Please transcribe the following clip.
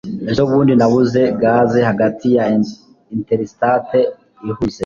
ejobundi nabuze gaze hagati ya interstate ihuze